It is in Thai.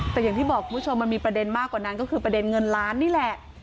แต่อย่างที่บอกคุณผู้ชมมันมีประเด็นมากกว่านั้นก็คือประเด็นเงินล้านนี่แหละ